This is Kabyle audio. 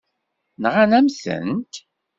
Nɣan-am-tent.